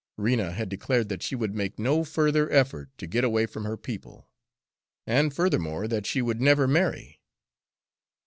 Rena had declared that she would make no further effort to get away from her people; and, furthermore, that she would never marry.